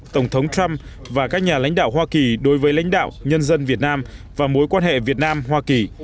tổng thống trump và các nhà lãnh đạo hoa kỳ đối với lãnh đạo nhân dân việt nam và mối quan hệ việt nam hoa kỳ